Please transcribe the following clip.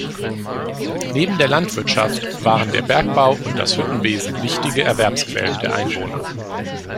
Neben der Landwirtschaft waren der Bergbau und das Hüttenwesen wichtige Erwerbsquellen der Einwohner.